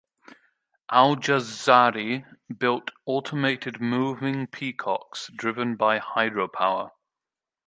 Al-Jazari built automated moving peacocks driven by hydropower.